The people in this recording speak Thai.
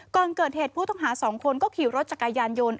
ก่อนเกิดเหตุผู้ต้องหา๒คนก็ขี่รถจักรยานยนต์